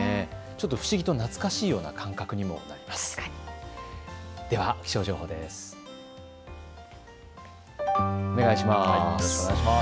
不思議と懐かしいような感覚にもなります。